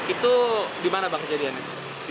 itu dimana bang kejadiannya